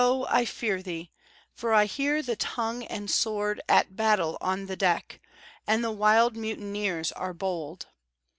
I fear thee, for I hear the tongue and sword At battle on the deck, and the wild mutineers are bold!